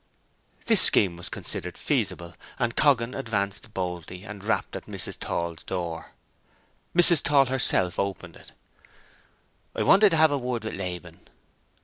This scheme was considered feasible; and Coggan advanced boldly, and rapped at Mrs. Tall's door. Mrs. Tall herself opened it. "I wanted to have a word with Laban."